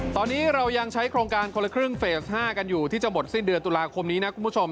ตอนนี้เรายังใช้โครงการคนละครึ่งเฟส๕กันอยู่ที่จะหมดสิ้นเดือนตุลาคมนี้นะคุณผู้ชม